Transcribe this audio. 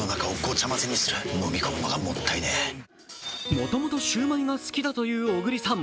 もともとシュウマイが好きだという小栗さん